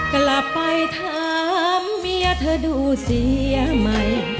กลับไปถามเมียเธอดูเสียใหม่